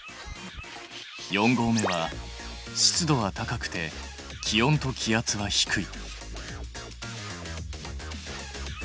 四合目は湿度は高くて気温と気圧は低い。